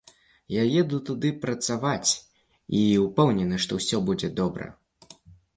Я еду туды працаваць і ўпэўнены, што ўсё будзе добра!